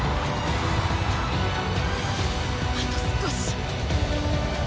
「あと少し」